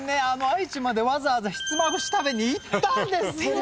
愛知までわざわざひつまぶし食べに行ったんです！